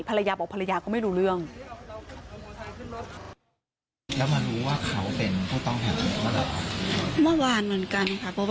ภรรยาบอกภรรยาก็ไม่รู้เรื่อง